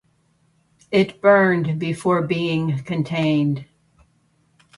It burned before being contained.